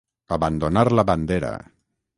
Abandonar la bandera.